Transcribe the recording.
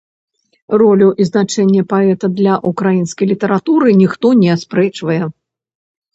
Ролю і значэнне паэта для ўкраінскай літаратуры ніхто не аспрэчвае.